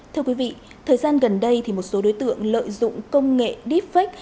thưa quý vị thời gian gần đây thì một số đối tượng lợi dụng công nghệ deepfake